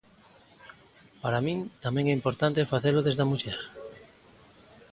Para min tamén é importante facelo desde a muller.